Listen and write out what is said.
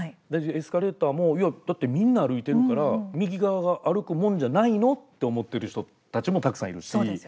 エスカレーターも、いや「だってみんな歩いているから右側が歩くもんじゃないの」って思ってる人たちもたくさんいるし。